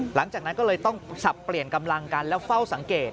หลังจากนั้นก็เลยต้องสับเปลี่ยนกำลังกันแล้วเฝ้าสังเกต